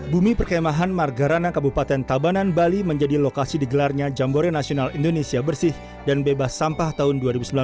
bumi perkemahan margarana kabupaten tabanan bali menjadi lokasi digelarnya jambore nasional indonesia bersih dan bebas sampah tahun dua ribu sembilan belas